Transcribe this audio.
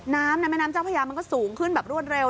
น้ำในแม่น้ำเจ้าพญามันก็สูงขึ้นแบบรวดเร็ว